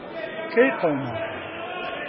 کەی قەوما؟